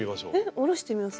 おろしてみます。